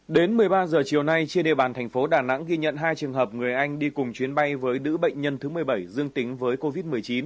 đến một mươi ba h chiều nay trên địa bàn thành phố đà nẵng ghi nhận hai trường hợp người anh đi cùng chuyến bay với nữ bệnh nhân thứ một mươi bảy dương tính với covid một mươi chín